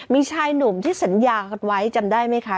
มีชายหนุ่มที่สัญญากันไว้จำได้ไหมคะ